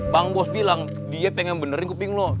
bang bos bilang dia pengen benerin kuping loh